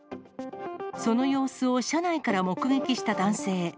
その様子を車内から目撃した男性。